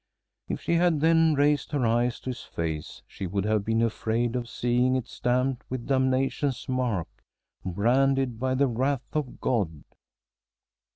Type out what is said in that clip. If she had then raised her eyes to his face, she would have been afraid of seeing it stamped with damnation's mark, branded by the wrath of God.